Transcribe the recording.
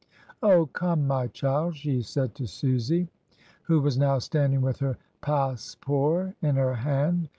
"Oh, come, my child," she said to Susy, who was now standing with her passeports in her hand.